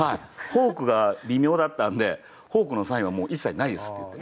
フォークが微妙だったんでフォークのサインはもう一切ないですって言って。